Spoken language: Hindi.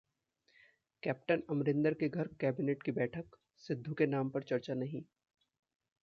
कैप्टन अमरिंदर के घर कैबिनेट की बैठक, सिद्धू के नाम पर चर्चा नहीं